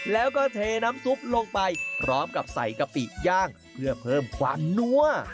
แล้วก็เทน้ำซุปลงไปพร้อมกับใส่กะปิย่างเพื่อเพิ่มความนั่ว